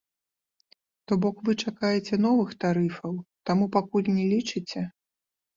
То бок вы чакаеце новых тарыфаў, таму пакуль не лічыце?